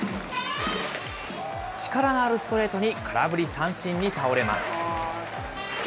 力のあるストレートに、空振り三振に倒れます。